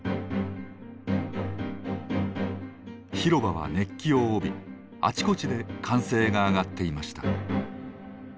広場は熱気を帯びあちこちで歓声が上がっていました。